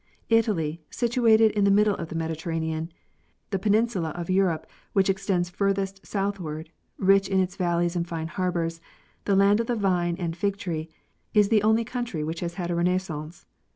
' Italy, situated in the middle of the Mediterranean, the penin | sula of Europe which extends furthest southward, rich in its valleys and fine harbors, the land of the vine and fig tree, is the only country which has had a renaissance.